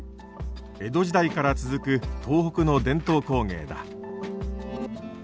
江戸時代から続く東北の伝統工芸だ。